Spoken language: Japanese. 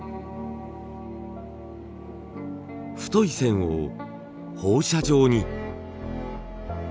太い線を放射状に。